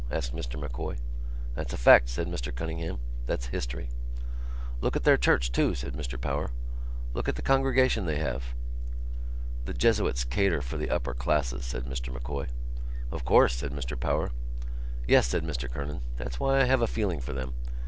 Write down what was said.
asked Mr M'Coy. "That's a fact," said Mr Cunningham. "That's history." "Look at their church, too," said Mr Power. "Look at the congregation they have." "The Jesuits cater for the upper classes," said Mr M'Coy. "Of course," said Mr Power. "Yes," said Mr Kernan. "That's why I have a feeling for them.